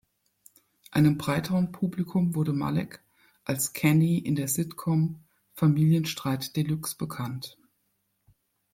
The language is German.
Einem breiteren Publikum wurde Malek als "Kenny" in der Sitcom "Familienstreit de Luxe" bekannt.